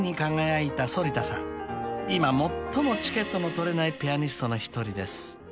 ［今最もチケットの取れないピアニストの一人です］